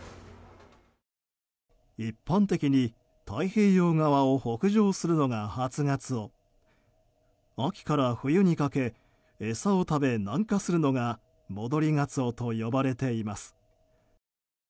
一般的に、太平洋側を北上するのが初ガツオ秋から冬にかけ餌を食べ南下するのが戻りガツオと呼ばれています。